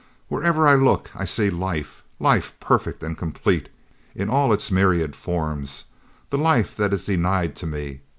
Wherever I look I see life life, perfect and complete in all its myriad forms the life that is denied to me!